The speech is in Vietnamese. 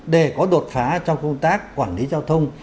để có đột phá trong công tác quản lý giao thông